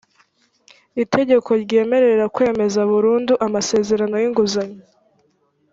itegeko ryemerera kwemeza burundu amasezerano y inguzanyo